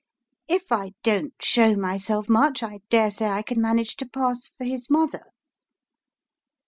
If I don't show myself much, I dare say I can manage to pass for his mother."